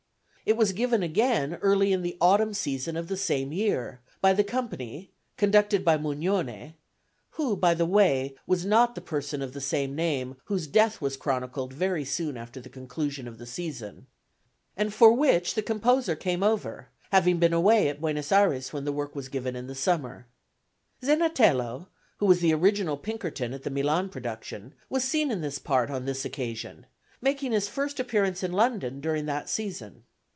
It was given again early in the autumn season of the same year, by the company, conducted by Mugnone (who, by the way, was not the person of the same name whose death was chronicled very soon after the conclusion of the season), and for which the composer came over, having been away at Buenos Ayres when the work was given in the summer. Zenatello, who was the original Pinkerton at the Milan production, was seen in this part on this occasion, making his first appearance in London during that season.